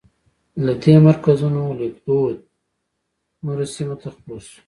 له دې مرکزونو لیکدود نورو سیمو ته خپور شو.